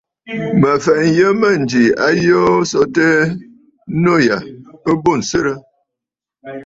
Mə fɛ̀ʼɛ nyə mânjì a yoo so tɛɛ, nû yâ ɨ bû ǹswerə!